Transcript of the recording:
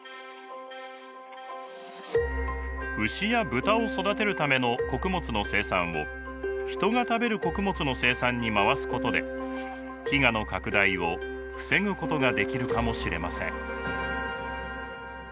牛や豚を育てるための穀物の生産を人が食べる穀物の生産に回すことで飢餓の拡大を防ぐことができるかもしれません。